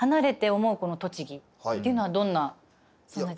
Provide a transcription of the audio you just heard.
この栃木っていうのはどんな存在ですか？